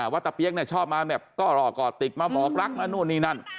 ว่าตะเปี๊ยกชอบมาก้อรอก้อติ๊กมาบอกรักนั่นนู่นนี่นั่น